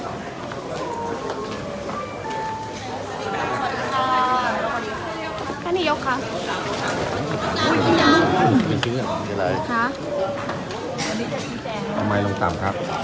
าไปลงจ๋ามานึงครับ